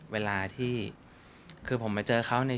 เวลาที่